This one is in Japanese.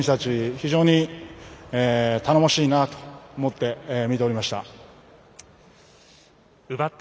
非常に頼もしいなと思って見ておりました。